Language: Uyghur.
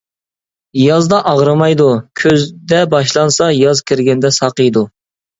يازدا ئاغرىمايدۇ، كۈزدە باشلانسا ياز كىرگەندە ساقىيىدۇ.